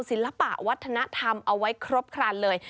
ศิลปะวัฒนธรรมเอาไว้ครบครันเลย